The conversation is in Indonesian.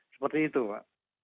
seperti itu pak